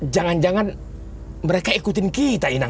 jangan jangan mereka ikutin kita